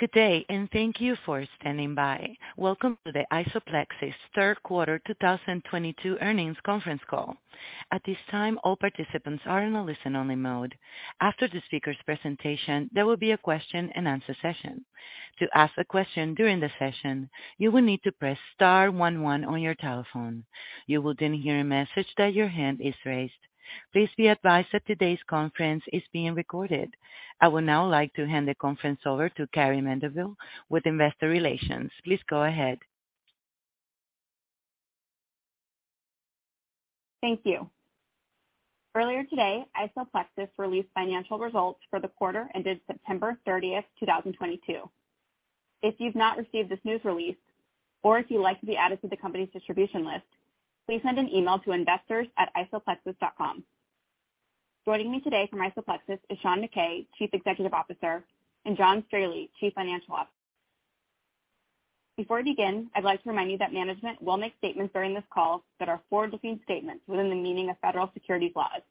Good day, and thank you for standing by. Welcome to the IsoPlexis Third Quarter 2022 Earnings Conference Call. At this time, all participants are in a listen-only mode. After the speaker's presentation, there will be a question-and-answer session. To ask a question during the session, you will need to press star one one on your telephone. You will then hear a message that your hand is raised. Please be advised that today's conference is being recorded. I would now like to hand the conference over to Carrie Mendivil with investor relations. Please go ahead. Thank you. Earlier today, IsoPlexis released financial results for the quarter ended September 30th, 2022. If you've not received this news release or if you'd like to be added to the company's distribution list, please send an email to investors@isoplexis.com. Joining me today from IsoPlexis is Sean Mackay, Chief Executive Officer, and John Strahley, Chief Financial Officer. Before we begin, I'd like to remind you that management will make statements during this call that are forward-looking statements within the meaning of federal securities laws.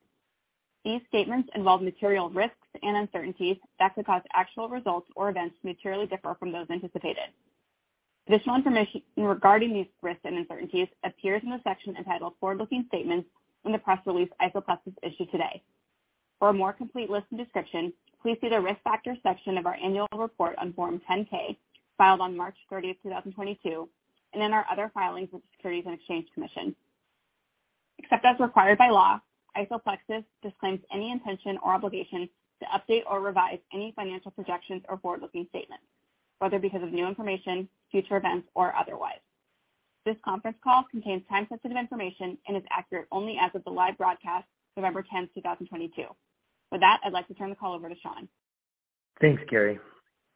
These statements involve material risks and uncertainties that could cause actual results or events to materially differ from those anticipated. Additional information regarding these risks and uncertainties appears in the section entitled Forward-Looking Statements in the press release IsoPlexis issued today. For a more complete list and description, please see the Risk Factors section of our annual report on Form 10-K, filed on March 30th, 2022, and in our other filings with the Securities and Exchange Commission. Except as required by law, IsoPlexis disclaims any intention or obligation to update or revise any financial projections or forward-looking statements, whether because of new information, future events, or otherwise. This conference call contains time-sensitive information and is accurate only as of the live broadcast, November 10th, 2022. With that, I'd like to turn the call over to Sean. Thanks, Carrie.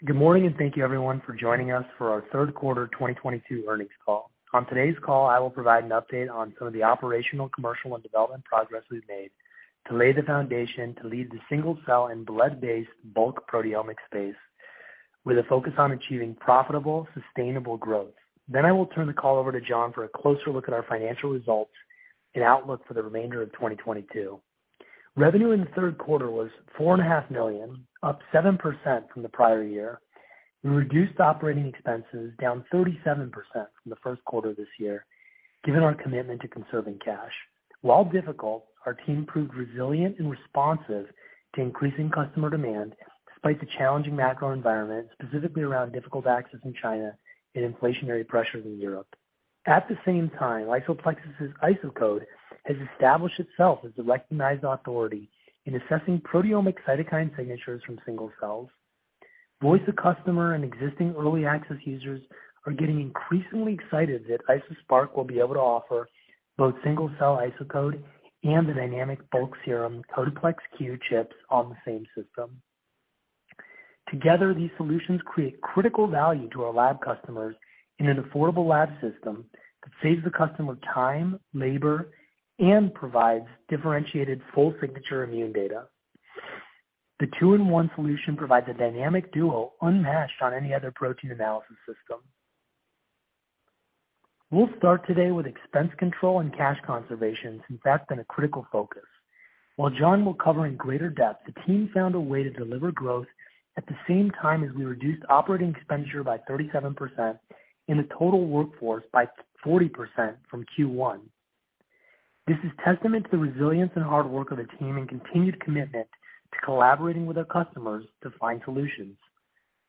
Good morning, and thank you everyone for joining us for our third quarter 2022 earnings call. On today's call, I will provide an update on some of the operational, commercial, and development progress we've made to lay the foundation to lead the single cell and blood-based bulk proteomics space with a focus on achieving profitable, sustainable growth. I will turn the call over to John for a closer look at our financial results and outlook for the remainder of 2022. Revenue in the third quarter was $4.5 million, up 7% from the prior year. We reduced operating expenses, down 37% from the first quarter of this year, given our commitment to conserving cash. While difficult, our team proved resilient and responsive to increasing customer demand despite the challenging macro environment, specifically around difficult access in China and inflationary pressures in Europe. At the same time, IsoPlexis' IsoCode has established itself as the recognized authority in assessing proteomic cytokine signatures from single cells. Voice of customer and existing early access users are getting increasingly excited that IsoSpark will be able to offer both single-cell IsoCode and the dynamic bulk serum CodePlex-Q chips on the same system. Together, these solutions create critical value to our lab customers in an affordable lab system that saves the customer time, labor, and provides differentiated full signature immune data. The two-in-one solution provides a dynamic duo unmatched on any other protein analysis system. We'll start today with expense control and cash conservation, since that's been a critical focus. While John will cover in greater depth, the team found a way to deliver growth at the same time as we reduced operating expenditure by 37% and the total workforce by 40% from Q1. This is testament to the resilience and hard work of the team and continued commitment to collaborating with our customers to find solutions.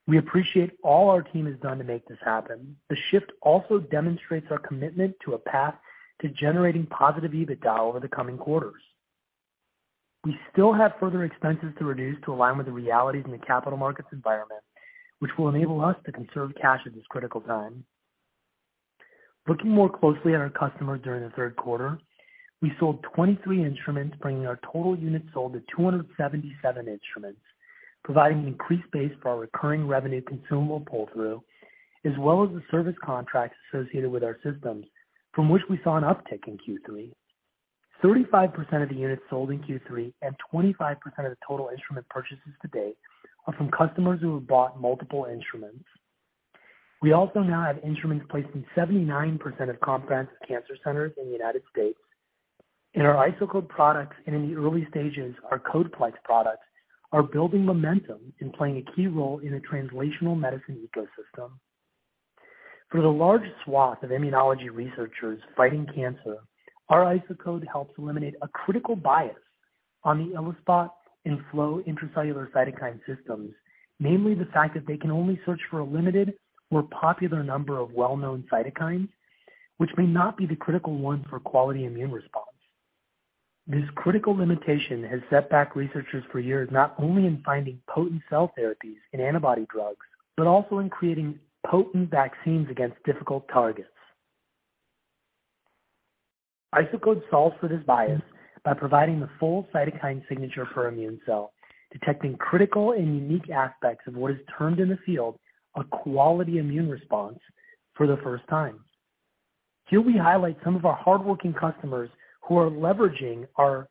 We appreciate all our team has done to make this happen. The shift also demonstrates our commitment to a path to generating positive EBITDA over the coming quarters. We still have further expenses to reduce to align with the realities in the capital markets environment, which will enable us to conserve cash at this critical time. Looking more closely at our customers during the third quarter, we sold 23 instruments, bringing our total units sold to 277 instruments, providing an increased base for our recurring revenue consumable pull-through, as well as the service contracts associated with our systems from which we saw an uptick in Q3. 35% of the units sold in Q3 and 25% of the total instrument purchases to date are from customers who have bought multiple instruments. We also now have instruments placed in 79% of comprehensive cancer centers in the United States, and our IsoCode products, and in the early stages, our CodePlex products, are building momentum in playing a key role in the translational medicine ecosystem. For the large swath of immunology researchers fighting cancer, our IsoCode helps eliminate a critical bias on the ELISpot and flow intracellular cytokine systems, namely the fact that they can only search for a limited or popular number of well-known cytokines, which may not be the critical ones for quality immune response. This critical limitation has set back researchers for years, not only in finding potent cell therapies and antibody drugs, but also in creating potent vaccines against difficult targets. IsoCode solves for this bias by providing the full cytokine signature per immune cell, detecting critical and unique aspects of what is termed in the field a quality immune response for the first time. Here we highlight some of our hardworking customers who are leveraging our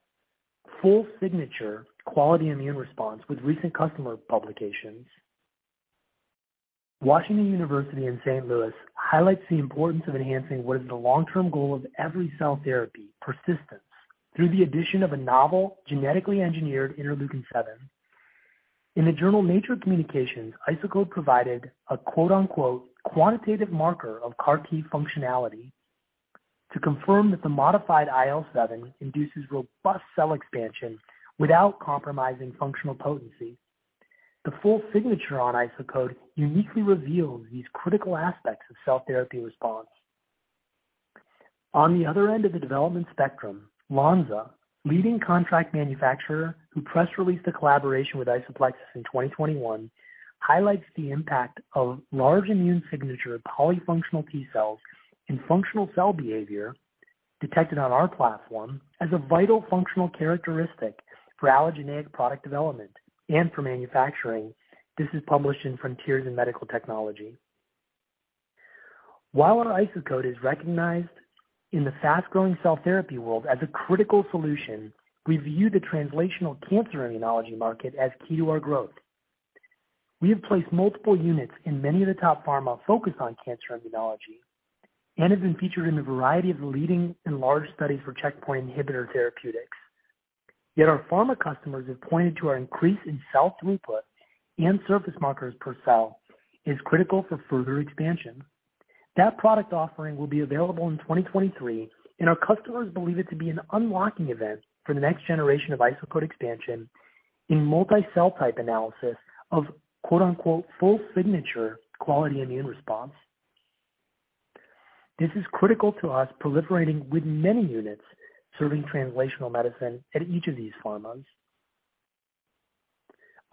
full signature quality immune response with recent customer publications. Washington University in St. Louis highlights the importance of enhancing what is the long-term goal of every cell therapy, persistence. Through the addition of a novel genetically engineered interleukin seven. In the journal Nature Communications, IsoCode provided a quote, unquote, "quantitative marker of CAR T functionality" to confirm that the modified IL-7 induces robust cell expansion without compromising functional potency. The full signature on IsoCode uniquely reveals these critical aspects of cell therapy response. On the other end of the development spectrum, Lonza, leading contract manufacturer who press released a collaboration with IsoPlexis in 2021, highlights the impact of large immune signature polyfunctional T cells and functional cell behavior detected on our platform as a vital functional characteristic for allogeneic product development and for manufacturing. This is published in Frontiers in Medical Technology. While our IsoCode is recognized in the fast-growing cell therapy world as a critical solution, we view the translational cancer immunology market as key to our growth. We have placed multiple units in many of the top pharma focused on cancer immunology and have been featured in a variety of leading and large studies for checkpoint inhibitor therapeutics. Yet our pharma customers have pointed to our increase in cell throughput and surface markers per cell is critical for further expansion. That product offering will be available in 2023, and our customers believe it to be an unlocking event for the next generation of IsoCode expansion in multi-cell type analysis of "full signature quality immune response". This is critical to us proliferating with many units serving translational medicine at each of these pharmas.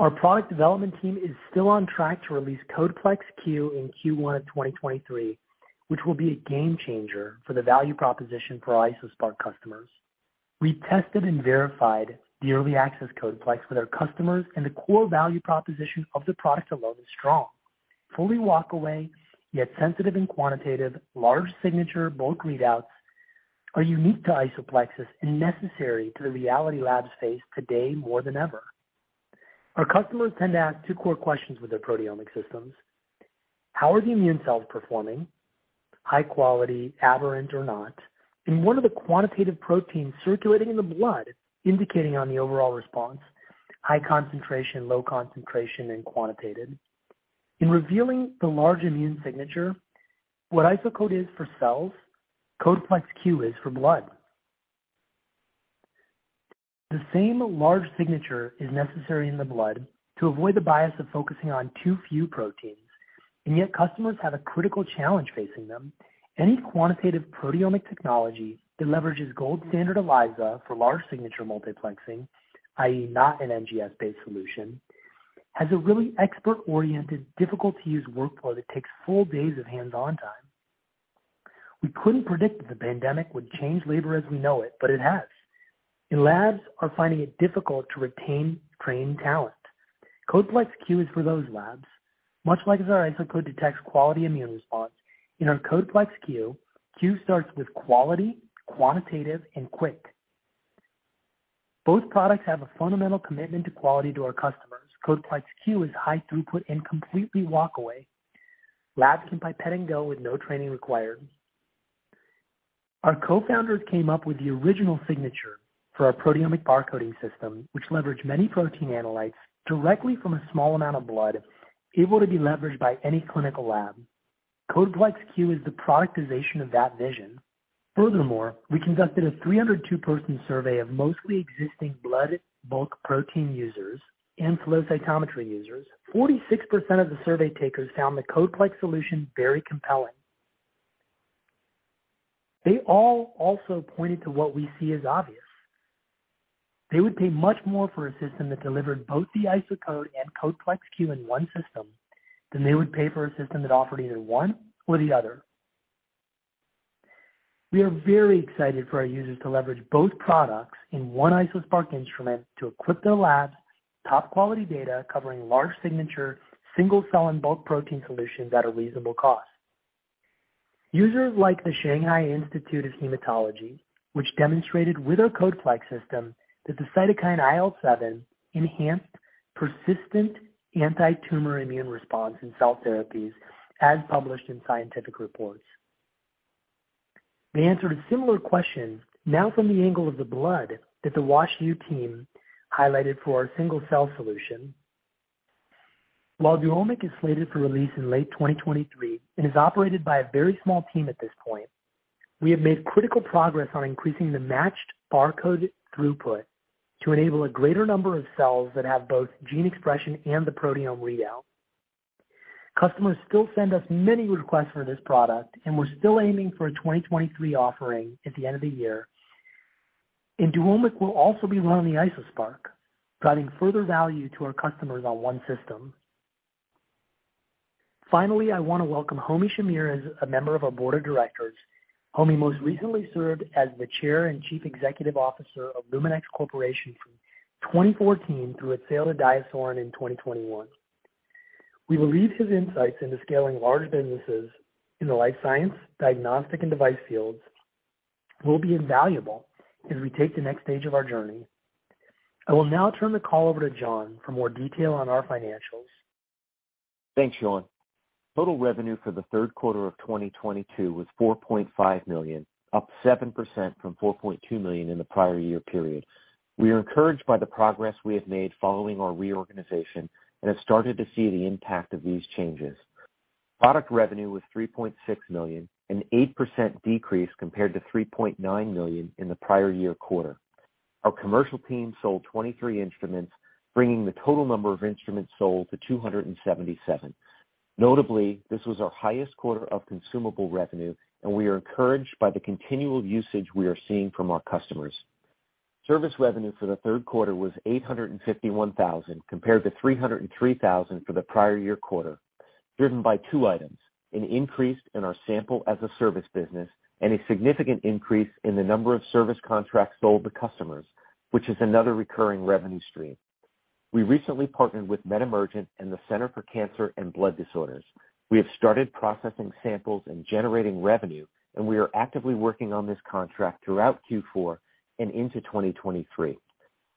Our product development team is still on track to release CodePlex-Q in Q1 of 2023, which will be a game changer for the value proposition for our IsoSpark customers. We tested and verified the early access CodePlex with our customers, and the core value proposition of the product alone is strong. Fully walk away, yet sensitive and quantitative large signature bulk readouts are unique to IsoPlexis and necessary to the reality labs face today more than ever. Our customers tend to ask two core questions with their proteomic systems. How are the immune cells performing, high quality, aberrant or not? What are the quantitative proteins circulating in the blood indicating on the overall response, high concentration, low concentration, and quantitated? In revealing the large immune signature, what IsoCode is for cells, CodePlex-Q is for blood. The same large signature is necessary in the blood to avoid the bias of focusing on too few proteins, and yet customers have a critical challenge facing them. Any quantitative proteomic technology that leverages gold standard ELISA for large signature multiplexing, i.e., not an NGS-based solution, has a really expert-oriented, difficult-to-use workflow that takes full days of hands-on time. We couldn't predict that the pandemic would change labor as we know it, but it has, and labs are finding it difficult to retain trained talent. CodePlex-Q is for those labs, much like as our IsoCode detects quality immune response, in our CodePlex-Q, Q starts with quality, quantitative, and quick. Both products have a fundamental commitment to quality to our customers. CodePlex-Q is high throughput and completely walk away. Labs can pipette and go with no training required. Our co-founders came up with the original signature for our proteomic barcoding system, which leveraged many protein analytes directly from a small amount of blood, able to be leveraged by any clinical lab. CodePlex-Q is the productization of that vision. Furthermore, we conducted a 302-person survey of mostly existing blood bulk protein users and flow cytometry users. 46% of the survey takers found the CodePlex solution very compelling. They all also pointed to what we see as obvious. They would pay much more for a system that delivered both the IsoCode and CodePlex-Q in one system than they would pay for a system that offered either one or the other. We are very excited for our users to leverage both products in one IsoSpark instrument to equip their labs top quality data covering large signature, single-cell, and bulk protein solutions at a reasonable cost. Users like the Shanghai Institute of Hematology, which demonstrated with our CodePlex system that the cytokine IL-7 enhanced persistent antitumor immune response in cell therapies as published in Scientific Reports. They answered a similar question now from the angle of the blood that the WashU team highlighted for our single-cell solution. While Duomic is slated for release in late 2023 and is operated by a very small team at this point, we have made critical progress on increasing the matched barcode throughput to enable a greater number of cells that have both gene expression and the proteome readout. Customers still send us many requests for this product, and we're still aiming for a 2023 offering at the end of the year. Duomic will also be run on the IsoSpark, driving further value to our customers on one system. Finally, I want to welcome Homi Shamir as a member of our board of directors. Homi most recently served as the chair and chief executive officer of Luminex Corporation from 2014 through its sale to DiaSorin in 2021. We believe his insights into scaling large businesses in the life science, diagnostic, and device fields will be invaluable as we take the next stage of our journey. I will now turn the call over to John for more detail on our financials. Thanks, Sean. Total revenue for the third quarter of 2022 was $4.5 million, up 7% from $4.2 million in the prior year period. We are encouraged by the progress we have made following our reorganization and have started to see the impact of these changes. Product revenue was $3.6 million, an 8% decrease compared to $3.9 million in the prior year quarter. Our commercial team sold 23 instruments, bringing the total number of instruments sold to 277. Notably, this was our highest quarter of consumable revenue, and we are encouraged by the continual usage we are seeing from our customers. Service revenue for the third quarter was $851,000 compared to $303,000 for the prior year quarter, driven by two items, an increase in our sample as a service business and a significant increase in the number of service contracts sold to customers, which is another recurring revenue stream. We recently partnered with MediMergent and the Center for Cancer and Blood Disorders. We have started processing samples and generating revenue, and we are actively working on this contract throughout Q4 and into 2023.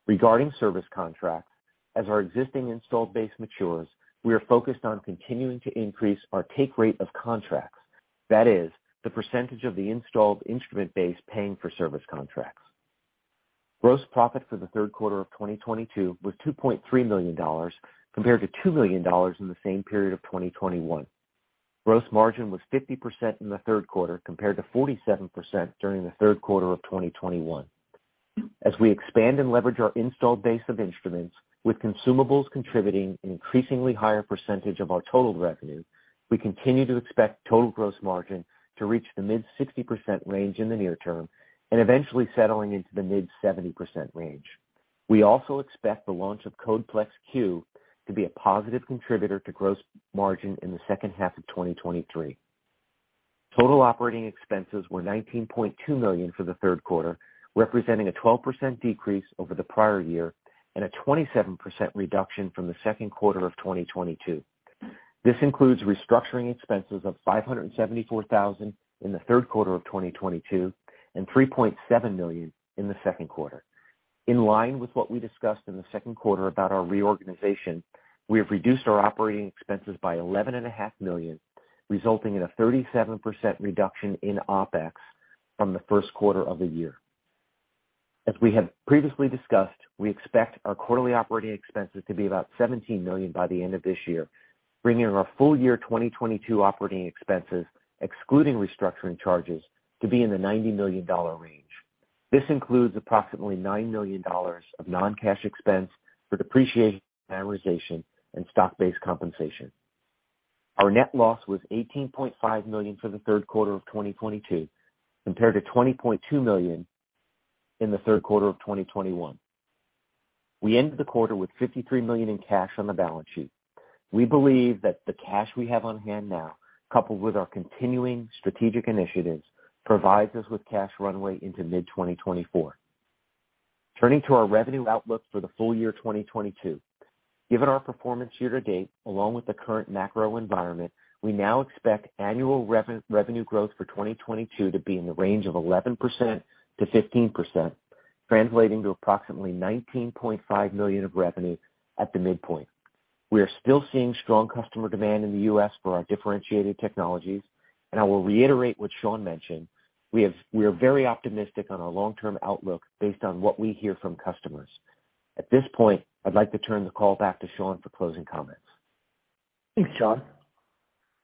Regarding service contracts, as our existing installed base matures, we are focused on continuing to increase our take rate of contracts. That is, the percentage of the installed instrument base paying for service contracts. Gross profit for the third quarter of 2022 was $2.3 million compared to $2 million in the same period of 2021. Gross margin was 50% in the third quarter compared to 47% during the third quarter of 2021. As we expand and leverage our installed base of instruments with consumables contributing an increasingly higher percentage of our total revenue, we continue to expect total gross margin to reach the mid-60% range in the near term and eventually settling into the mid-70% range. We also expect the launch of CodePlex-Q to be a positive contributor to gross margin in the second half of 2023. Total operating expenses were $19.2 million for the third quarter, representing a 12% decrease over the prior year and a 27% reduction from the second quarter of 2022. This includes restructuring expenses of $574,000 in the third quarter of 2022 and $3.7 million in the second quarter. In line with what we discussed in the second quarter about our reorganization, we have reduced our operating expenses by 11.5 million, resulting in a 37% reduction in OpEx from the first quarter of the year. As we have previously discussed, we expect our quarterly operating expenses to be about 17 million by the end of this year, bringing our full year 2022 operating expenses, excluding restructuring charges, to be in the $90 million range. This includes approximately $9 million of non-cash expense for depreciation, amortization, and stock-based compensation. Our net loss was $18.5 million for the third quarter of 2022, compared to $20.2 million in the third quarter of 2021. We ended the quarter with $53 million in cash on the balance sheet. We believe that the cash we have on hand now, coupled with our continuing strategic initiatives, provides us with cash runway into mid-2024. Turning to our revenue outlook for the full year 2022. Given our performance year to date, along with the current macro environment, we now expect annual revenue growth for 2022 to be in the range of 11%-15%, translating to approximately $19.5 million of revenue at the midpoint. We are still seeing strong customer demand in the U.S. for our differentiated technologies, and I will reiterate what Sean mentioned. We are very optimistic on our long-term outlook based on what we hear from customers. At this point, I'd like to turn the call back to Sean for closing comments. Thanks, John.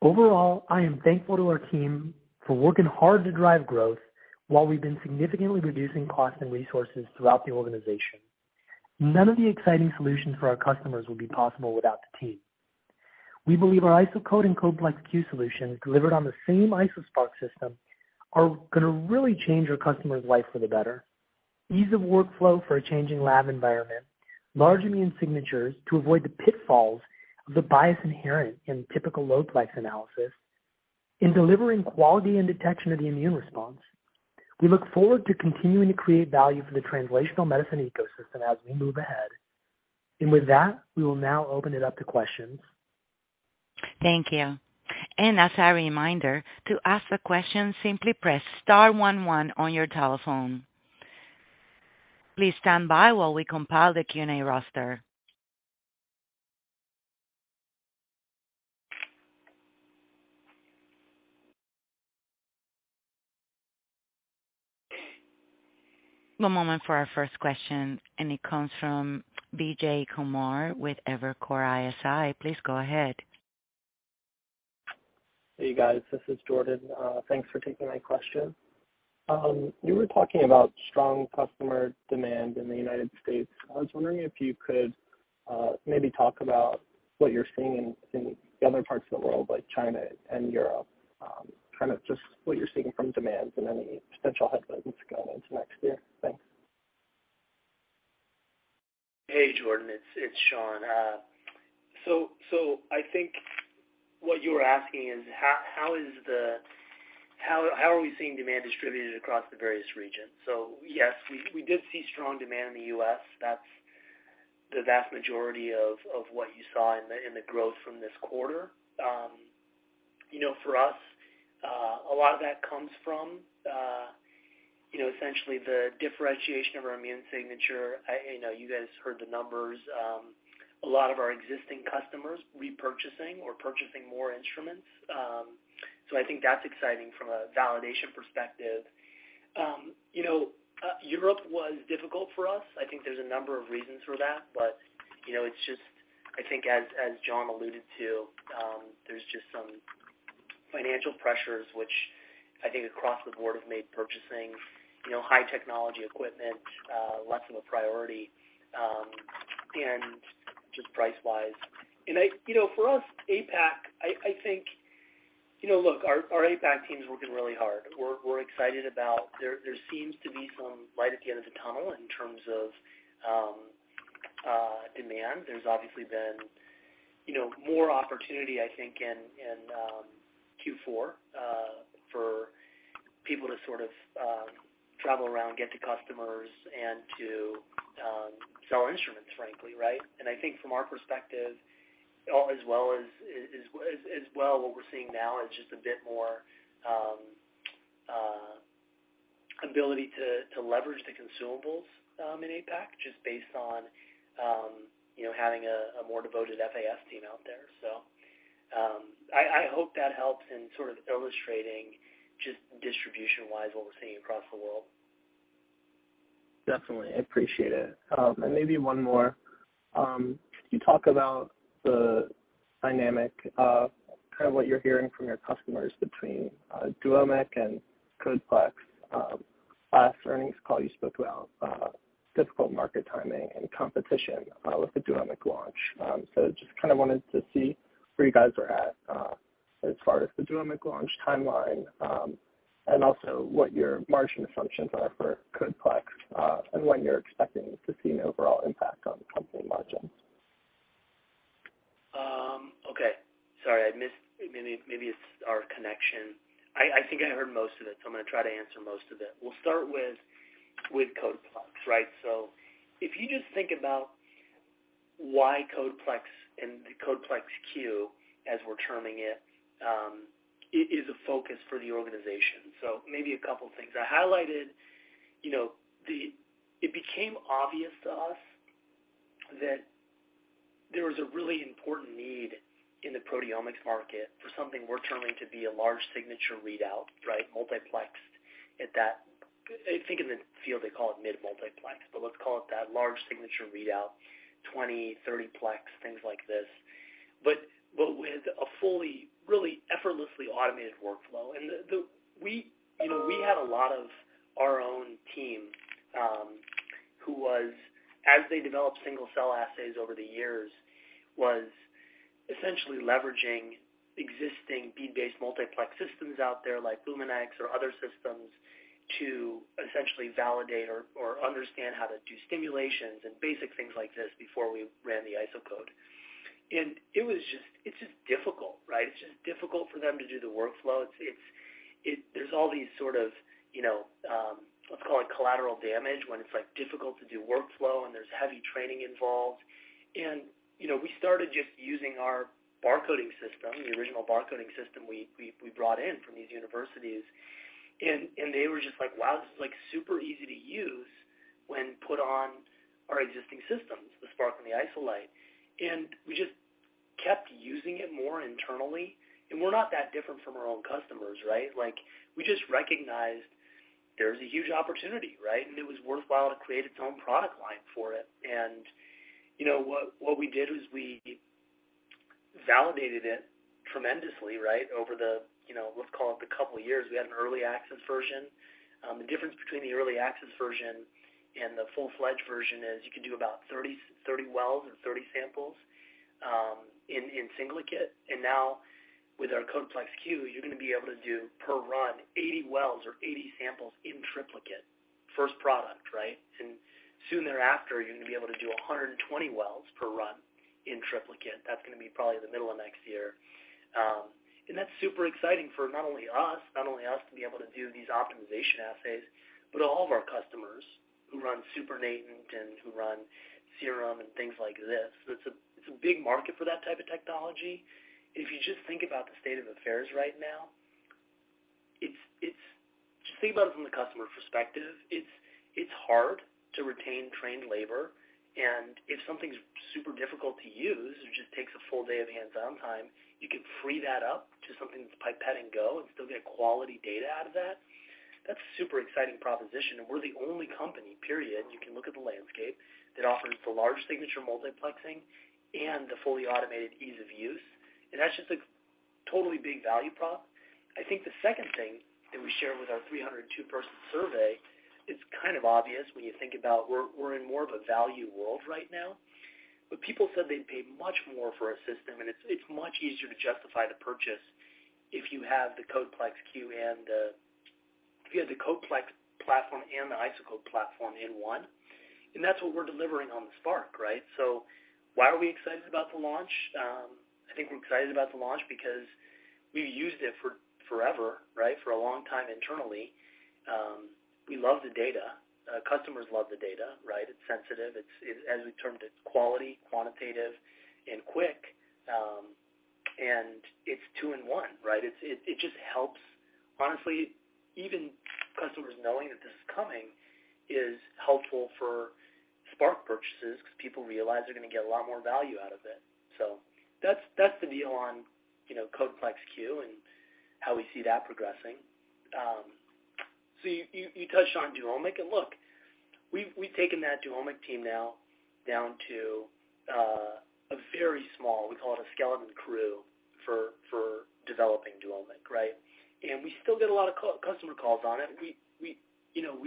Overall, I am thankful to our team for working hard to drive growth while we've been significantly reducing costs and resources throughout the organization. None of the exciting solutions for our customers would be possible without the team. We believe our IsoCode and CodePlex-Q solutions, delivered on the same IsoSpark system, are gonna really change our customer's life for the better. Ease of workflow for a changing lab environment, large immune signatures to avoid the pitfalls of the bias inherent in typical low plex analysis. In delivering quality and detection of the immune response, we look forward to continuing to create value for the translational medicine ecosystem as we move ahead. With that, we will now open it up to questions. Thank you. As a reminder, to ask a question, simply press star one one on your telephone. Please stand by while we compile the Q&A roster. One moment for our first question, and it comes from Vijay Kumar with Evercore ISI. Please go ahead. Hey, guys, this is Jordan. Thanks for taking my question. You were talking about strong customer demand in the United States. I was wondering if you could maybe talk about what you're seeing in the other parts of the world, like China and Europe, kinda just what you're seeing from demands and any potential headwinds going into next year. Thanks. Hey, Jordan, it's Sean. I think what you're asking is how are we seeing demand distributed across the various regions. Yes, we did see strong demand in the U.S. That's the vast majority of what you saw in the growth from this quarter. You know, for us, a lot of that comes from, you know, essentially the differentiation of our immune signature. I know you guys heard the numbers, a lot of our existing customers repurchasing or purchasing more instruments. I think that's exciting from a validation perspective. You know, Europe was difficult for us. I think there's a number of reasons for that, but, you know, it's just, I think as John alluded to, there's just some financial pressures, which I think across the board have made purchasing, you know, high technology equipment, less of a priority, and just price-wise. You know, for us, APAC, I think, you know, look, our APAC team's working really hard. We're excited about. There seems to be some light at the end of the tunnel in terms of demand. There's obviously been, you know, more opportunity, I think, in Q4 for people to sort of travel around, get to customers, and to sell our instruments, frankly, right? I think from our perspective, all as well as what we're seeing now is just a bit more ability to leverage the consumables in APAC just based on, you know, having a more devoted FAS team out there. I hope that helps in sort of illustrating just distribution-wise what we're seeing across the world. Definitely. I appreciate it. Maybe one more. Could you talk about the dynamic of kind of what you're hearing from your customers between Duomic and CodePlex? Last earnings call you spoke about difficult market timing and competition with the Duomic launch. Just kind of wanted to see where you guys are at as far as the Duomic launch timeline and also what your margin assumptions are for CodePlex and when you're expecting to see an overall impact on company margins. Okay. Sorry, maybe it's our connection. I think I heard most of it, so I'm gonna try to answer most of it. We'll start with CodePlex, right? If you just think about why CodePlex and the CodePlex-Q, as we're terming it, is a focus for the organization. Maybe a couple things. I highlighted, you know, it became obvious to us that there was a really important need in the proteomics market for something we're terming to be a large signature readout, right? Multiplexed at that, I think in the field they call it mid-multiplex, but let's call it that large signature readout, 20, 30 plex, things like this. With a fully, really effortlessly automated workflow. We had a lot of our own team who, as they developed single cell assays over the years, was essentially leveraging existing bead-based multiplex systems out there like Luminex or other systems to essentially validate or understand how to do stimulations and basic things like this before we ran the IsoCode. It was just, it's just difficult, right? It's there all these sort of, you know, let's call it collateral damage when it's, like, difficult to do workflow and there's heavy training involved. You know, we started just using our barcoding system, the original barcoding system we brought in from these universities. They were just like, "Wow, this is, like, super easy to use when put on our existing systems," the IsoSpark and the IsoLight. We just kept using it more internally, and we're not that different from our own customers, right? Like, we just recognized there's a huge opportunity, right? It was worthwhile to create its own product line for it. What we did was we validated it tremendously, right, over the, let's call it the couple years. We had an early access version. The difference between the early access version and the full-fledged version is you can do about 30 wells or 30 samples in single kit. Now with our CodePlex-Q, you're gonna be able to do per run 80 wells or 80 samples in triplicate. First product, right? Soon thereafter, you're gonna be able to do 120 wells per run in triplicate. That's gonna be probably the middle of next year. That's super exciting for not only us to be able to do these optimization assays, but all of our customers who run supernatant and who run serum and things like this. It's a big market for that type of technology. If you just think about the state of affairs right now, just think about it from the customer perspective. It's hard to retain trained labor, and if something's super difficult to use, it just takes a full day of hands-on time, you can free that up to something that's pipette and go and still get quality data out of that. That's a super exciting proposition, and we're the only company, period, you can look at the landscape, that offers the large signature multiplexing and the fully automated ease of use. That's just a totally big value prop. I think the second thing that we shared with our 302-person survey. It's kind of obvious when you think about we're in more of a value world right now. People said they'd pay much more for a system, and it's much easier to justify the purchase if you have the CodePlex-Q and if you have the CodePlex platform and the IsoCode platform in one. That's what we're delivering on the IsoSpark, right? Why are we excited about the launch? I think we're excited about the launch because we've used it for forever, right? For a long time internally. We love the data. Customers love the data, right? It's sensitive. It's as we termed it, quality, quantitative and quick. It's two in one, right? It just helps. Honestly, even customers knowing that this is coming is helpful for IsoSpark purchases because people realize they're gonna get a lot more value out of it. That's the deal on, you know, CodePlex-Q and how we see that progressing. You touched on Duomic. Look, we've taken that Duomic team now down to a very small, we call it a skeleton crew for developing Duomic, right? We still get a lot of customer calls on it. We, you know,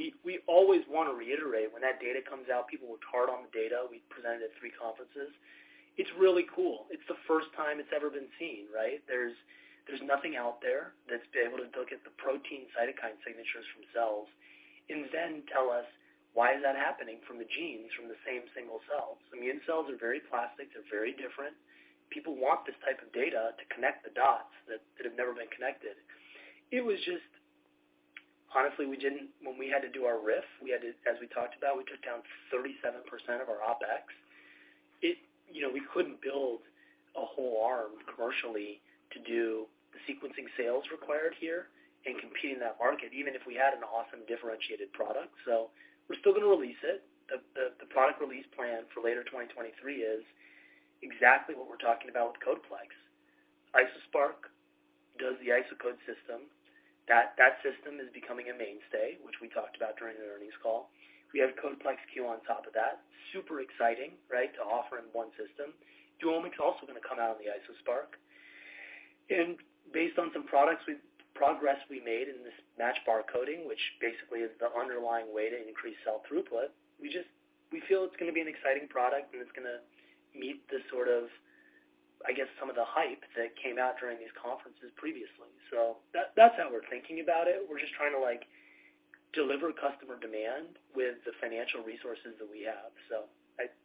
always wanna reiterate when that data comes out, people worked hard on the data we presented at three conferences. It's really cool. It's the first time it's ever been seen, right? There's nothing out there that's been able to look at the protein cytokine signatures from cells and then tell us why is that happening from the genes from the same single cells. Immune cells are very plastic. They're very different. People want this type of data to connect the dots that have never been connected. It was just honestly when we had to do our risk, as we talked about, we took down 37% of our OpEx. It, you know, we couldn't build a whole arm commercially to do the sequencing sales required here and compete in that market, even if we had an awesome differentiated product. We're still gonna release it. The product release plan for later 2023 is exactly what we're talking about with CodePlex. IsoSpark does the IsoCode system. That system is becoming a mainstay, which we talked about during the earnings call. We have CodePlex-Q on top of that, super exciting, right, to offer in one system. Duomic is also gonna come out on the IsoSpark. Based on some progress we made in this multiplex barcoding, which basically is the underlying way to increase cell throughput, we feel it's gonna be an exciting product, and it's gonna meet the sort of, I guess, some of the hype that came out during these conferences previously. That's how we're thinking about it. We're just trying to, like, deliver customer demand with the financial resources that we have.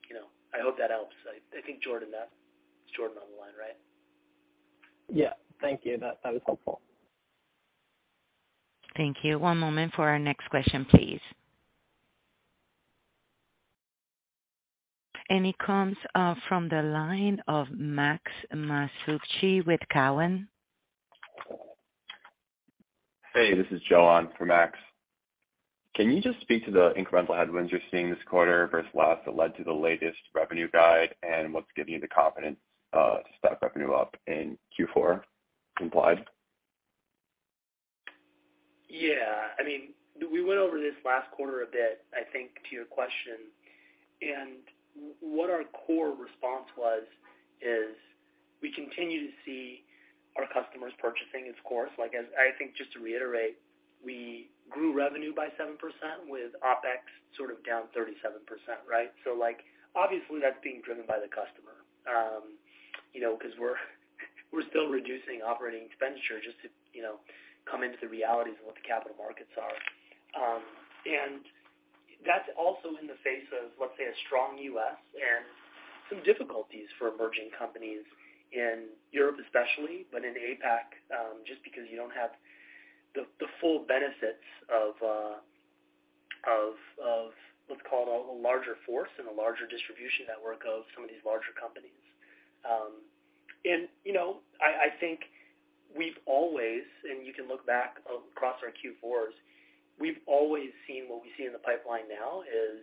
You know, I hope that helps. It's Jordan on the line, right? Yeah. Thank you. That was helpful. Thank you. One moment for our next question, please. It comes from the line of Max Masucci with Cowen. Hey, this is Joe on for Max. Can you just speak to the incremental headwinds you're seeing this quarter versus last that led to the latest revenue guide and what's giving you the confidence to stack revenue up in Q4 implied? Yeah. I mean, we went over this last quarter a bit, I think, to your question. What our core response was, is we continue to see our customers purchasing its course. Like, as I think just to reiterate, we grew revenue by 7% with OpEx sort of down 37%, right? Like, obviously, that's being driven by the customer, you know, 'cause we're still reducing operating expenditure just to, you know, come into the realities of what the capital markets are. That's also in the face of, let's say, a strong U.S. and some difficulties for emerging companies in Europe especially, but in APAC, just because you don't have the full benefits of, let's call it a larger force and a larger distribution network of some of these larger companies. You know, I think we've always, and you can look back across our Q4s, we've always seen what we see in the pipeline now is,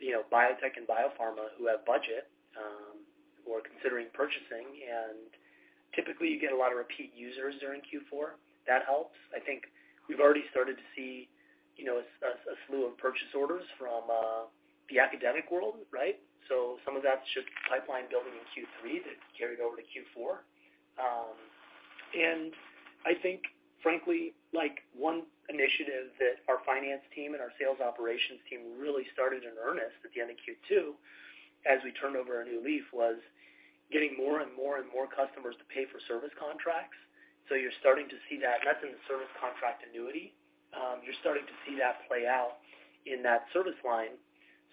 you know, biotech and biopharma who have budget, who are considering purchasing, and typically you get a lot of repeat users during Q4. That helps. I think we've already started to see, you know, a slew of purchase orders from the academic world, right? Some of that should pipeline building in Q3 that carried over to Q4. I think frankly, like one initiative that our finance team and our sales operations team really started in earnest at the end of Q2 as we turned over a new leaf, was getting more and more customers to pay for service contracts. You're starting to see that. That's in the service contract annuity. You're starting to see that play out in that service line.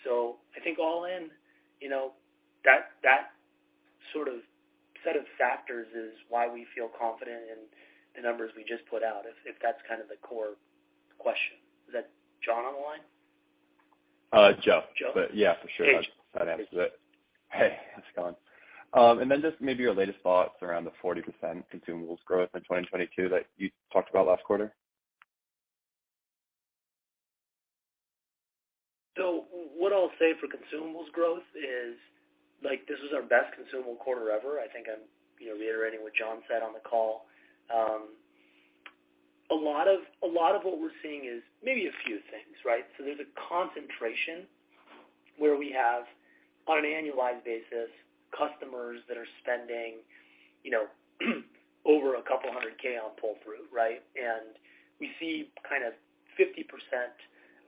I think all in, you know, that sort of set of factors is why we feel confident in the numbers we just put out, if that's kind of the core question. Is that John on the line? Joe. Joe. Yeah, for sure. Hey. That answers it. Hey, how's it going? Just maybe your latest thoughts around the 40% consumables growth in 2022 that you talked about last quarter? What I'll say for consumables growth is, like, this is our best consumable quarter ever. I think I'm, you know, reiterating what John said on the call. A lot of what we're seeing is maybe a few things, right? There's a concentration where we have, on an annualized basis, customers that are spending, you know, over a couple hundred K on pull-through, right? And we see kind of 50%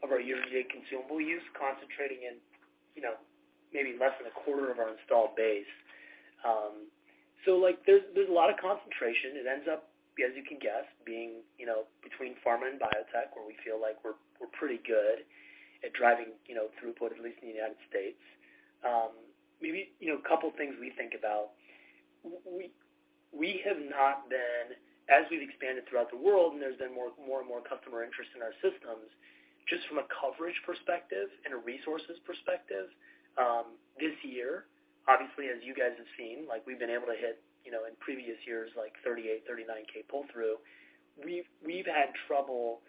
of our year-to-date consumable use concentrating in, you know, maybe less than a quarter of our installed base. Like, there's a lot of concentration. It ends up, as you can guess, being, you know, between pharma and biotech where we feel like we're pretty good at driving, you know, throughput, at least in the United States. Maybe, you know, a couple things we think about. We have not been— As we've expanded throughout the world, and there's been more and more customer interest in our systems, just from a coverage perspective and a resources perspective, this year, obviously, as you guys have seen, like we've been able to hit, you know, in previous years, like $38,000-$39,000 pull through. We've had trouble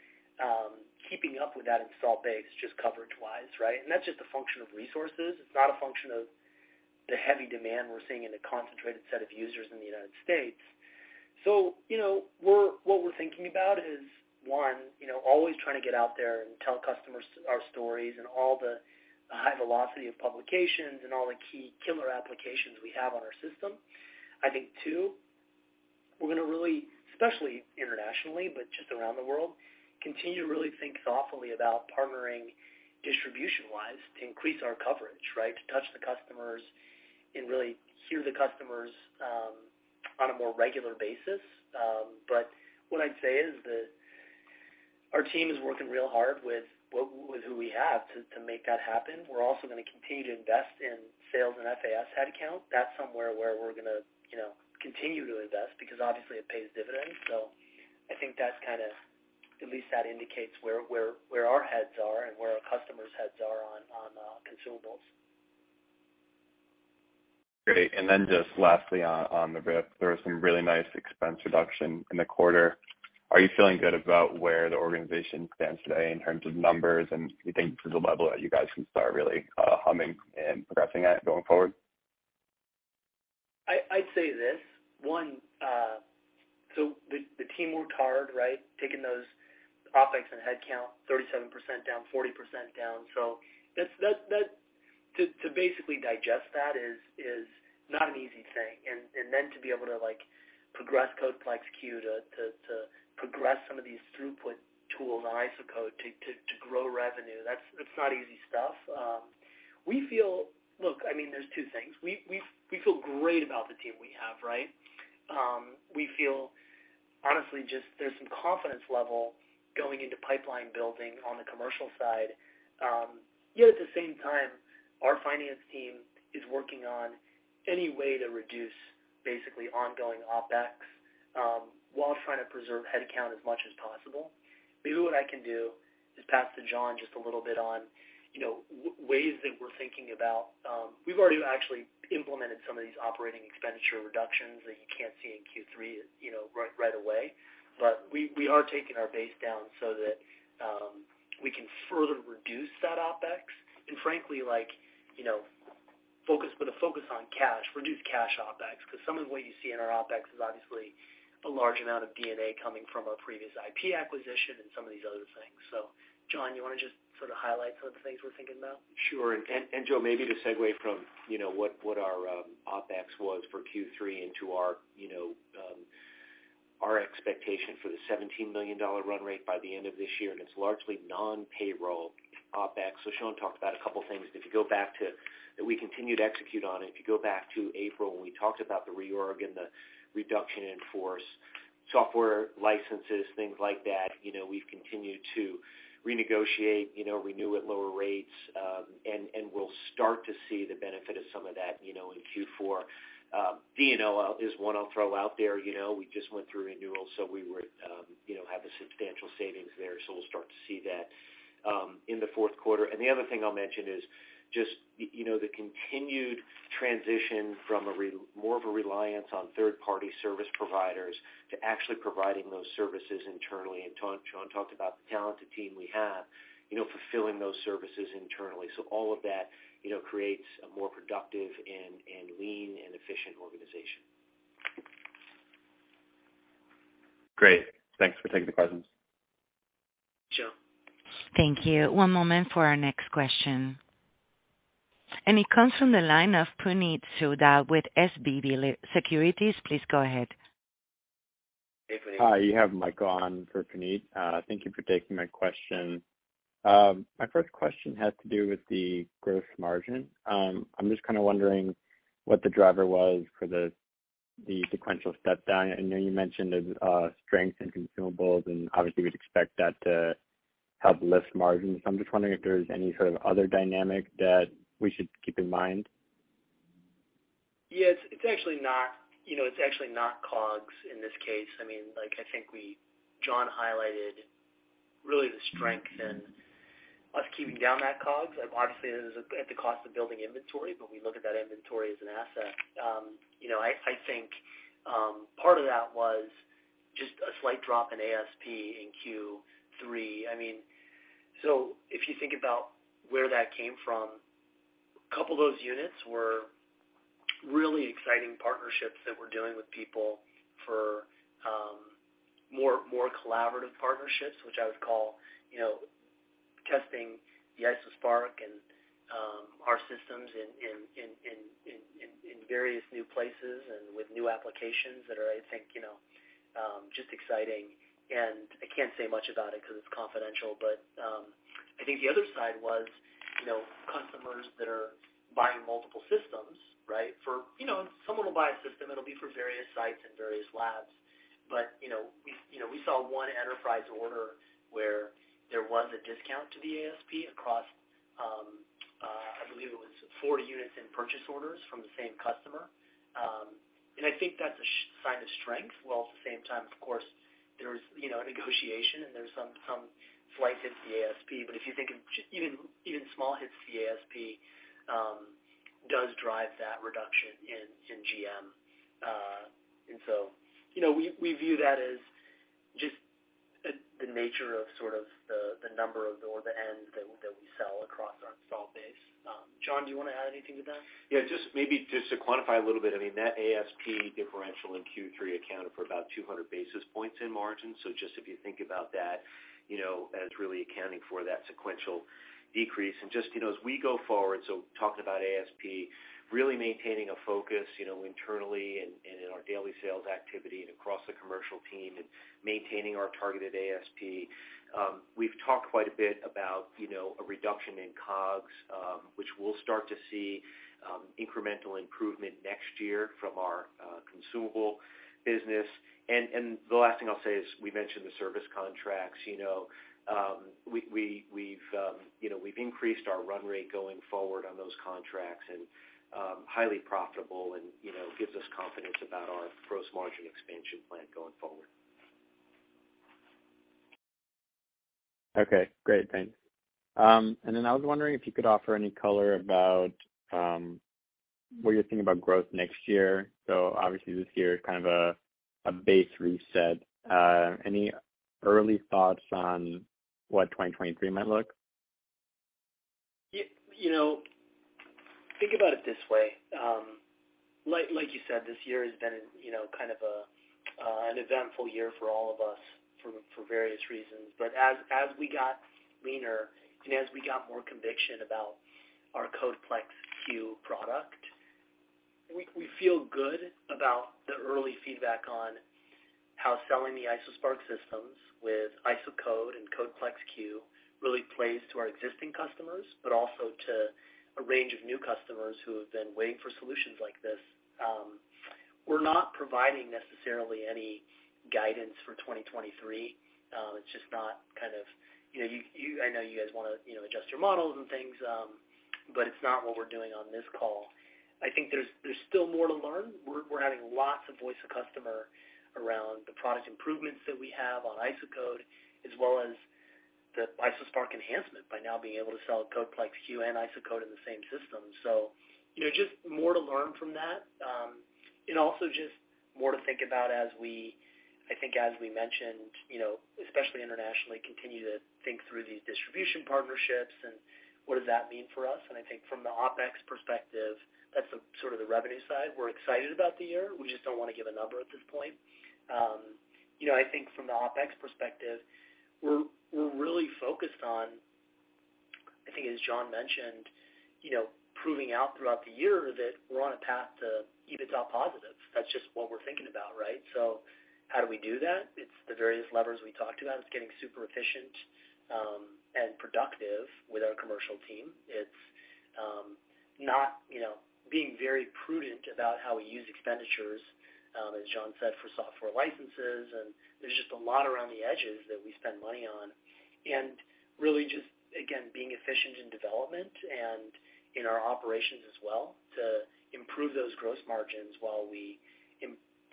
keeping up with that installed base just coverage-wise, right? That's just a function of resources. It's not a function of the heavy demand we're seeing in the concentrated set of users in the United States. You know, what we're thinking about is, one, you know, always trying to get out there and tell customers our stories and all the high velocity of publications and all the key killer applications we have on our system. I think too, we're gonna really, especially internationally, but just around the world, continue to really think thoughtfully about partnering distribution-wise to increase our coverage, right? To touch the customers and really hear the customers on a more regular basis. What I'd say is that our team is working real hard with who we have to make that happen. We're also gonna continue to invest in sales and FAS headcount. That's somewhere where we're gonna, you know, continue to invest because obviously it pays dividends. I think that's kinda at least that indicates where our heads are and where our customers' heads are on consumables. Great. Just lastly on the RIF, there were some really nice expense reduction in the quarter. Are you feeling good about where the organization stands today in terms of numbers? Do you think there's a level that you guys can start really humming and progressing at going forward? I'd say this. One, the team worked hard, right? Taking those OpEx and headcount 37% down, 40% down. That's to basically digest that is not an easy thing. Then to be able to like progress CodePlex-Q to progress some of these throughput tools on IsoCode to grow revenue, that's not easy stuff. We feel. Look, I mean, there's two things. We feel great about the team we have, right? We feel honestly just there's some confidence level going into pipeline building on the commercial side. Yet at the same time, our finance team is working on any way to reduce basically ongoing OpEx while trying to preserve headcount as much as possible. Maybe what I can do is pass to John just a little bit on, you know, ways that we're thinking about. We've already actually implemented some of these operating expenditure reductions that you can't see in Q3, you know, right away. We are taking our base down so that we can further reduce that OpEx and frankly, like, you know, focus, put a focus on cash, reduce cash OpEx. 'Cause some of what you see in our OpEx is obviously a large amount of D&A coming from our previous IP acquisition and some of these other things. John, you wanna just sort of highlight some of the things we're thinking about? Sure. Joe, maybe to segue from, you know, what our OpEx was for Q3 into our, you know, our expectation for the $17 million run rate by the end of this year, and it's largely non-payroll OpEx. Sean talked about a couple things, but to go back to that we continue to execute on, and if you go back to April when we talked about the reorg and the reduction in force, software licenses, things like that, you know, we've continued to renegotiate, you know, renew at lower rates. We'll start to see the benefit of some of that, you know, in Q4. D&O is one I'll throw out there. You know, we just went through renewal, so we would, you know, have a substantial savings there, so we'll start to see that in the fourth quarter. The other thing I'll mention is just, you know, the continued transition from more of a reliance on third-party service providers to actually providing those services internally. Sean talked about the talented team we have, you know, fulfilling those services internally. All of that, you know, creates a more productive and lean and efficient organization. Great. Thanks for taking the questions. Sure. Thank you. One moment for our next question. It comes from the line of Puneet Souda with SVB Securities. Please go ahead. Hey, Puneet. Hi, you have Michael on for Puneet. Thank you for taking my question. My first question has to do with the gross margin. I'm just kinda wondering what the driver was for the sequential step down. I know you mentioned the strength in consumables, and obviously we'd expect that to help lift margins. I'm just wondering if there's any sort of other dynamic that we should keep in mind. Yeah, it's actually not, you know, COGS in this case. I mean, like, I think John highlighted really the strength in us keeping down that COGS. Like, obviously, that's at the cost of building inventory, but we look at that inventory as an asset. You know, I think part of that was just a slight drop in ASP in Q3. I mean. If you think about where that came from, a couple of those units were really exciting partnerships that we're doing with people for more collaborative partnerships, which I would call, you know, testing the IsoSpark and our systems in various new places and with new applications that are, I think, you know, just exciting. I can't say much about it 'cause it's confidential. I think the other side you know, customers that are buying multiple systems, right? For you know, someone will buy a system, it'll be for various sites and various labs. You know, we, you know, we saw one enterprise order where there was a discount to the ASP across, I believe it was 40 units in purchase orders from the same customer. I think that's a sign of strength, while at the same time, of course, there's you know, a negotiation and there's some slight hits to the ASP. If you think of just even small hits to the ASP does drive that reduction in GM. You know, we view that as just the nature of sort of the number of or the end that we sell across our installed base. John, do you wanna add anything to that? Yeah, just maybe to quantify a little bit, I mean, that ASP differential in Q3 accounted for about 200 basis points in margin. Just if you think about that, you know, as really accounting for that sequential decrease. Just, you know, as we go forward, so talking about ASP, really maintaining a focus, you know, internally and in our daily sales activity and across the commercial team and maintaining our targeted ASP. We've talked quite a bit about, you know, a reduction in COGS, which we'll start to see incremental improvement next year from our consumable business. The last thing I'll say is, we mentioned the service contracts. You know, we've increased our run rate going forward on those contracts and highly profitable and you know, gives us confidence about our gross margin expansion plan going forward. Okay, great. Thanks. I was wondering if you could offer any color about what you're thinking about growth next year. Obviously, this year is kind of a base reset. Any early thoughts on what 2023 might look? You know, think about it this way. Like you said, this year has been, you know, kind of an eventful year for all of us, for various reasons. As we got leaner and as we got more conviction about our CodePlex-Q product, we feel good about the early feedback on how selling the IsoSpark systems with IsoCode and CodePlex-Q really plays to our existing customers, but also to a range of new customers who have been waiting for solutions like this. We're not providing necessarily any guidance for 2023. It's just not kind of. You know, I know you guys wanna, you know, adjust your models and things, but it's not what we're doing on this call. I think there's still more to learn. We're having lots of voice of customer around the product improvements that we have on IsoCode, as well as the IsoSpark enhancement by now being able to sell CodePlex-Q and IsoCode in the same system. You know, just more to learn from that. Also just more to think about as we, I think as we mentioned, you know, especially internationally, continue to think through these distribution partnerships and what does that mean for us. I think from the OpEx perspective, that's the sort of the revenue side. We're excited about the year, we just don't wanna give a number at this point. You know, I think from the OpEx perspective, we're really focused on, I think as John mentioned, you know, proving out throughout the year that we're on a path to EBITDA positive. That's just what we're thinking about, right? How do we do that? It's the various levers we talked about. It's getting super efficient and productive with our commercial team. It's not, you know, being very prudent about how we use expenditures, as John said, for software licenses, and there's just a lot around the edges that we spend money on. Really just, again, being efficient in development and in our operations as well to improve those gross margins while we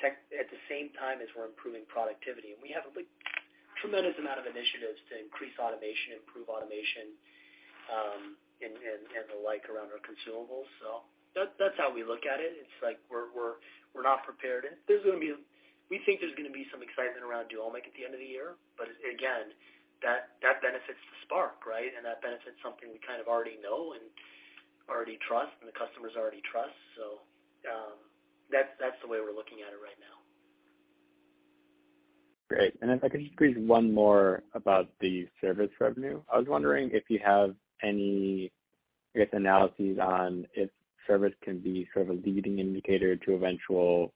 at the same time as we're improving productivity. We have a big, tremendous amount of initiatives to increase automation, improve automation, and the like around our consumables. That, that's how we look at it. It's like we're not prepared. There's gonna be. We think there's gonna be some excitement around Duomic at the end of the year. Again, that benefits the IsoSpark, right? That benefits something we kind of already know and already trust and the customers already trust. That's the way we're looking at it right now. Great. If I could just squeeze one more about the service revenue. I was wondering if you have any, I guess, analyses on if service can be sort of a leading indicator to eventual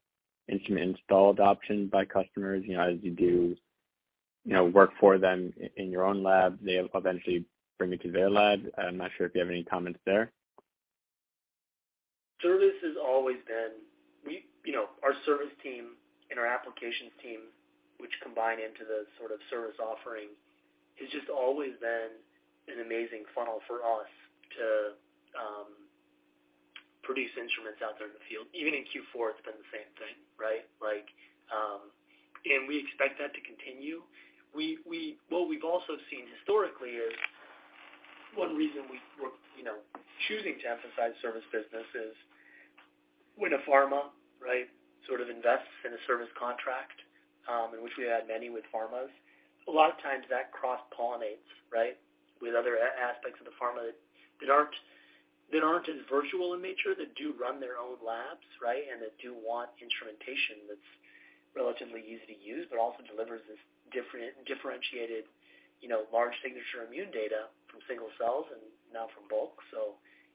instrument install adoption by customers, you know, as you do, you know, work for them in your own lab, they eventually bring it to their lab. I'm not sure if you have any comments there. You know, our service team and our applications team, which combine into the sort of service offering, has just always been an amazing funnel for us to produce instruments out there in the field. Even in Q4, it's been the same thing, right? Like, we expect that to continue. What we've also seen historically is one reason we're choosing to emphasize service business is when a pharma, right, sort of invests in a service contract, and which we had many with pharmas, a lot of times that cross-pollinates, right, with other aspects of the pharma that aren't as virtual in nature, that do run their own labs, right, and that do want instrumentation that's relatively easy to use, but also delivers this differentiated, you know, large signature immune data from single cells and now from bulk.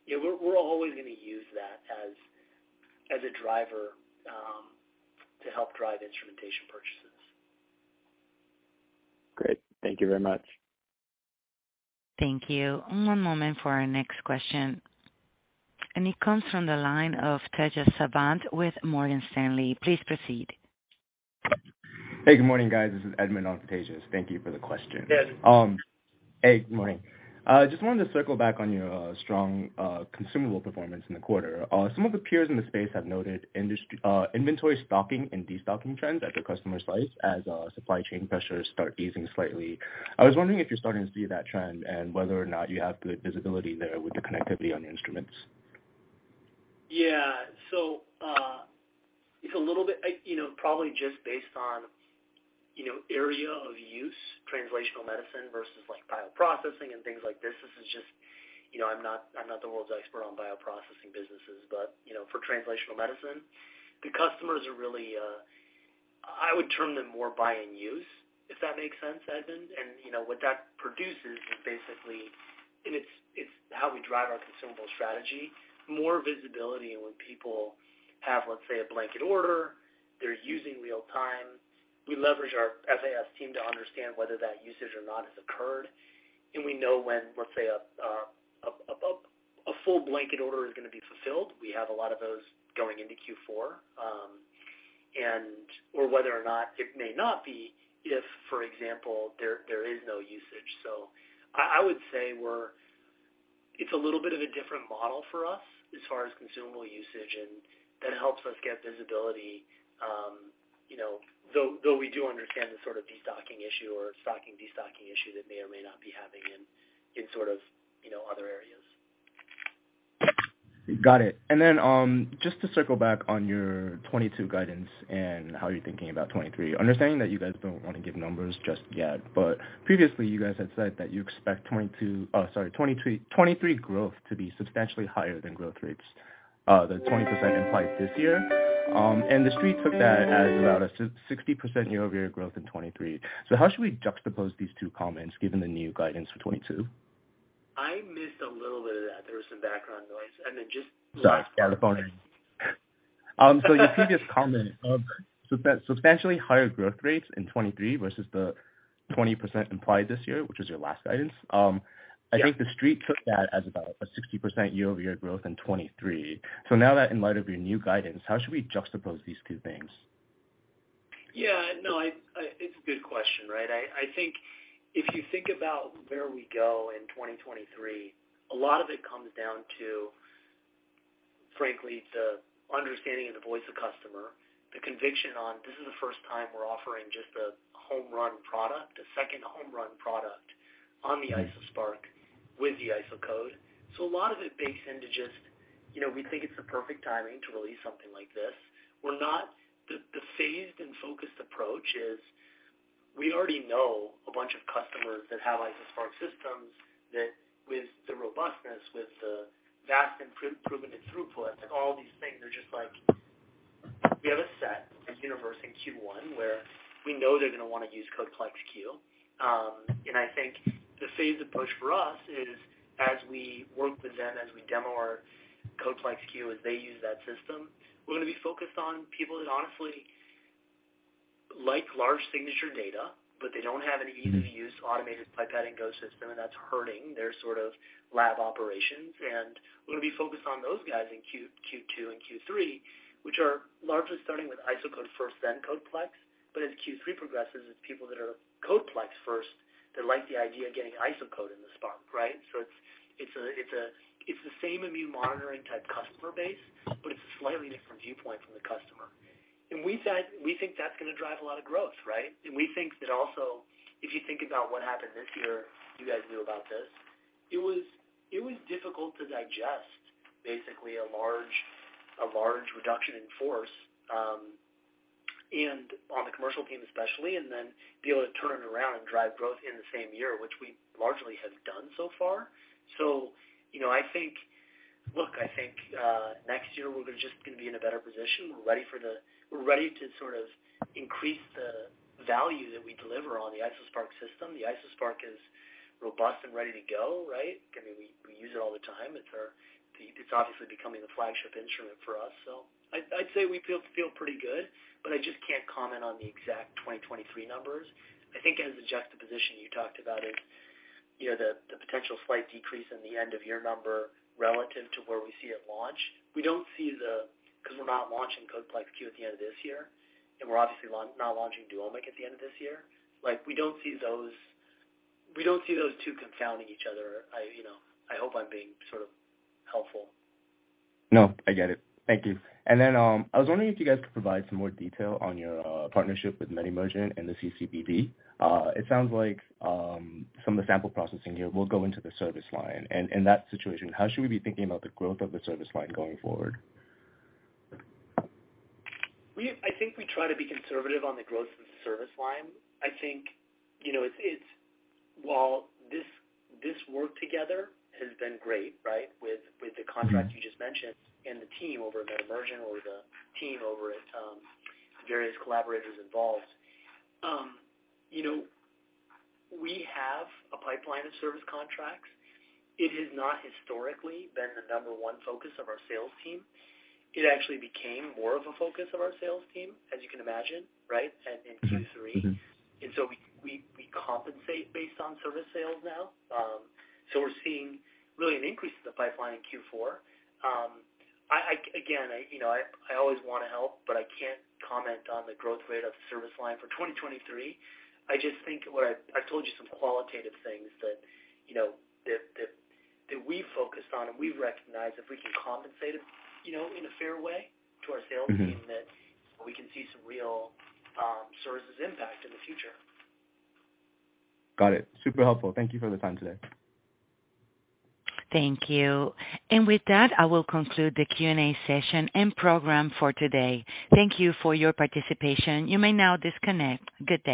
Yeah, we're always gonna use that as a driver to help drive instrumentation purchases. Great. Thank you very much. Thank you. One moment for our next question, and it comes from the line of Tejas Savant with Morgan Stanley. Please proceed. Hey, good morning, guys. This is Edmund on for Tejas. Thank you for the question. Yes. Hey, good morning. I just wanted to circle back on your strong consumable performance in the quarter. Some of the peers in the space have noted industry inventory stocking and destocking trends at the customer sites as supply chain pressures start easing slightly. I was wondering if you're starting to see that trend and whether or not you have good visibility there with the connectivity on the instruments? Yeah. It's a little bit, you know, probably just based on, you know, area of use, translational medicine versus like bioprocessing and things like this. This is just, you know, I'm not the world's expert on bioprocessing businesses, but, you know, for translational medicine, the customers are really, I would term them more buy and use, if that makes sense, Edmund. What that produces is basically it's how we drive our consumable strategy, more visibility. When people have, let's say, a blanket order, they're using real time, we leverage our FAS team to understand whether that usage or not has occurred. We know when, let's say, a full blanket order is gonna be fulfilled. We have a lot of those going into Q4, and/or whether or not it may not be if, for example, there is no usage. I would say it's a little bit of a different model for us as far as consumable usage, and that helps us get visibility, you know, though we do understand the sort of destocking issue or stocking destocking issue that may or may not be happening in sort of, you know, other areas. Got it. Just to circle back on your 2022 guidance and how you're thinking about 2023. Understanding that you guys don't wanna give numbers just yet, but previously you guys had said that you expect 2023 growth to be substantially higher than growth rates, the 20% implied this year. The Street took that as about a 60% year-over-year growth in 2023. How should we juxtapose these two comments given the new guidance for 2022? I missed a little bit of that. There was some background noise. Sorry. Yeah, the phone ringing. Your previous comment of substantially higher growth rates in 2023 versus the 20% implied this year, which was your last guidance. Yeah. I think the Street took that as about a 60% year-over-year growth in 2023. Now that in light of your new guidance, how should we juxtapose these two things? Yeah. No, I—it's a good question, right? I think if you think about where we go in 2023, a lot of it comes down to, frankly, the understanding of the voice of customer, the conviction on this is the first time we're offering just a home run product, a second home run product on the IsoSpark with the IsoCode. A lot of it bakes into just, you know, we think it's the perfect timing to release something like this. The phased and focused approach is we already know a bunch of customers that have IsoSpark systems that with the robustness, with the vast improvement in throughput and all these things are just like we have a set, a universe in Q1 where we know they're gonna wanna use CodePlex-Q. I think the phased approach for us is as we work with them, as we demo our CodePlex-Q, as they use that system, we're gonna be focused on people that honestly like large signature data, but they don't have any easy to use automated pipetting GO system, and that's hurting their sort of lab operations. We're gonna be focused on those guys in Q2 and Q3, which are largely starting with IsoCode first, then CodePlex. As Q3 progresses, it's people that are CodePlex first that like the idea of getting IsoCode in the IsoSpark, right? It's the same immune monitoring type customer base, but it's a slightly different viewpoint from the customer. We said we think that's gonna drive a lot of growth, right? We think that also, if you think about what happened this year, you guys knew about this, it was difficult to digest basically a large reduction in force, and on the commercial team especially, and then be able to turn it around and drive growth in the same year, which we largely have done so far. You know, I think. Look, I think, next year we're gonna be in a better position. We're ready to sort of increase the value that we deliver on the IsoSpark system. The IsoSpark is robust and ready to go, right? I mean, we use it all the time. It's obviously becoming the flagship instrument for us. I'd say we feel pretty good, but I just can't comment on the exact 2023 numbers. I think as a juxtaposition you talked about it, you know, the potential slight decrease in the end of year number relative to where we see it launch. We don't see 'cause we're not launching CodePlex-Q at the end of this year, and we're obviously not launching Duomic at the end of this year. Like, we don't see those two confounding each other. You know, I hope I'm being sort of helpful. No, I get it. Thank you. I was wondering if you guys could provide some more detail on your partnership with MediMergent and the CCBD. It sounds like some of the sample processing here will go into the service line. In that situation, how should we be thinking about the growth of the service line going forward? I think we try to be conservative on the growth of the service line. I think, you know, it's while this work together has been great, right, with the contract you just mentioned, and the team over at MediMergent or the team over at various collaborators involved, you know, we have a pipeline of service contracts. It has not historically been the number one focus of our sales team. It actually became more of a focus of our sales team, as you can imagine, right, in Q3. Mm-hmm. We compensate based on service sales now. We're seeing really an increase in the pipeline in Q4. I again, you know, always wanna help, but I can't comment on the growth rate of service line for 2023. I just think what I've told you some qualitative things that, you know, that we focused on and we recognize if we can compensate, you know, in a fair way to our sales team. Mm-hmm. that we can see some real, services impact in the future. Got it. Super helpful. Thank you for the time today. Thank you. With that, I will conclude the Q&A session and program for today. Thank you for your participation. You may now disconnect. Good day.